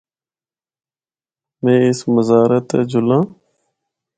میں اس مزارا تے جُلّاں۔